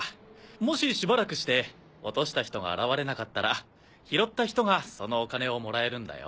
もししばらくして落とした人が現れなかったら拾った人がそのお金をもらえるんだよ。